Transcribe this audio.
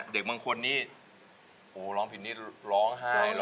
เด็กบางคนนี้โหร้องผิดนี่ร้องไห้เลย